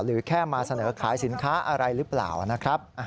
แค่มาเสนอขายสินค้าอะไรหรือเปล่านะครับ